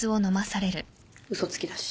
嘘つきだし。